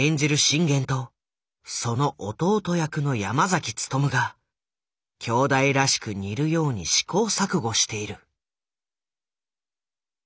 信玄とその弟役の山崎努が兄弟らしく似るように試行錯誤している。